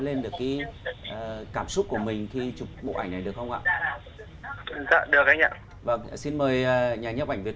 về cái cảm xúc của mình khi chụp bộ ảnh này được không ạ dạ được anh ạ và xin mời nhà nhập ảnh việt